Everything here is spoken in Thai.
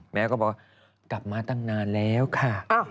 แม่ก็บอกว่ากลับมาตั้งนานแล้วค่ะ